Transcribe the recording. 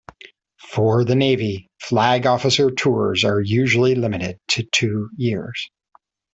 For the Navy, flag officer tours are usually limited to two-years.